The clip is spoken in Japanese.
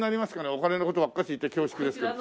お金の事ばっかし言って恐縮ですけど。